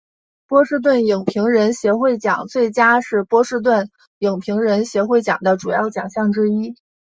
波士顿影评人协会奖最佳是波士顿影评人协会奖的主要奖项之一。